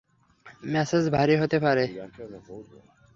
Message ভারী হতে পারে।